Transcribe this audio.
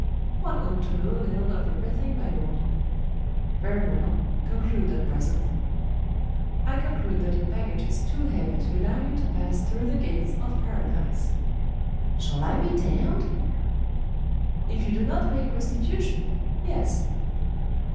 "One ought to know a little of everything, my lord." "Very well. Conclude, at present." "I conclude that your baggage is too heavy to allow you to pass through the gates of Paradise." "Shall I be damned?" "If you do not make restitution, yes."